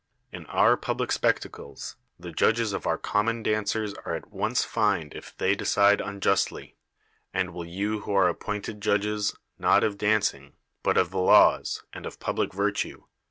Tn oui public spectacles, the judges of our commoTi dancers are at once fined if they decide unjustl} ; and will you who are ai)pointi'd jikIl'^s, not of danc ing, but of tb.e laws, and of j)ubli(; virluc.